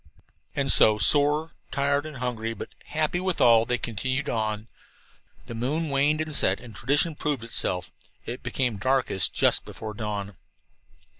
And so, sore, tired and hungry, but happy withal, they continued on. The moon waned and set, and tradition proved itself it became darkest just before dawn.